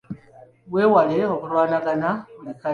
Weewale okulwanagana buli kadde.